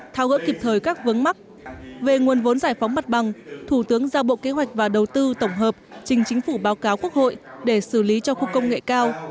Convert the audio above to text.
thao gỡ kịp thời các vấn mắc về nguồn vốn giải phóng mặt bằng thủ tướng giao bộ kế hoạch và đầu tư tổng hợp trình chính phủ báo cáo quốc hội để xử lý cho khu công nghệ cao